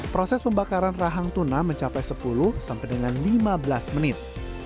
proses pembakaran rahang tuna mencapai sepuluh sampai dengan lima belas menit